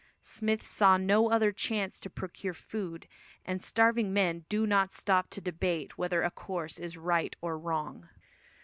Smith saw no other chance to procure food, and starving men do not stop to debate whether a course is right or wrong.